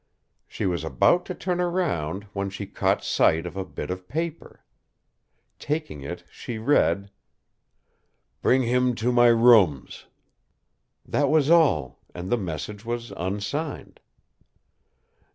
She was about to turn around when she caught sight of a bit of paper. Taking it, she read: Bring him to my rooms. That was all, and the message was unsigned.